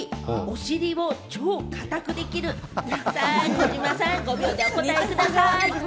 児嶋さん、５秒でお答えください。